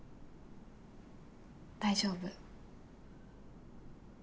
大丈夫。